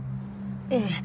ええ。